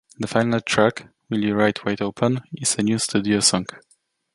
The final track, "Will You Ride Wide Open", is a new studio song.